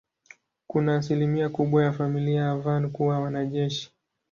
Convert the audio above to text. Kuna asilimia kubwa ya familia ya Van kuwa wanajeshi.